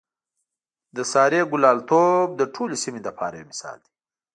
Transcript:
د سارې ګلالتوب د ټولې سیمې لپاره یو مثال دی.